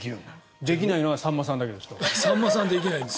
できないのはさんまさんだけです。